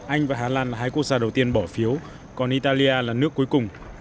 anh và hà lan là hai quốc gia đầu tiên bỏ phiếu còn italia là nước cuối cùng